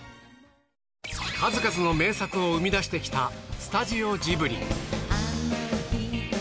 数々の名作を生み出してきたスタジオジブリ。